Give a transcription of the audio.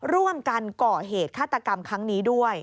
ร่วมกันก่อเหตุฆาตกรรมครั้งนี้ด้วย